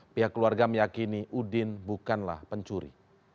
pihak keluarga meyakini udin bukanlah pencuri